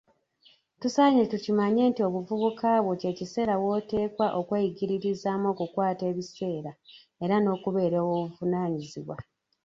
Tusaanye tukimanye nti Obuvubuka bwo kye kiseera woteekwa okweyigiririzaamu okukwata ebiseera, era n'okubeera ow'obuvunaanyizibwa.